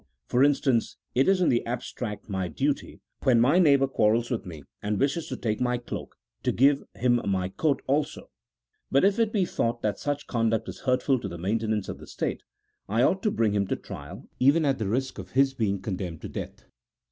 For instance : it is in the abstract my duty when my neighbour quarrels with me and wishes to take my cloak, to give him my coat also ; but if it be thought that such conduct is hurtful to the maintenance of the state, I ought to bring him to trial, even at the risk of his being condemned to death.